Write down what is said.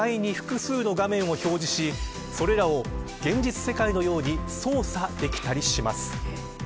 視界に複数の画面を表示しそれらを現実世界のように操作できたりします。